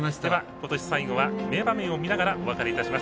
今年最後は名場面を見ながらお別れいたします。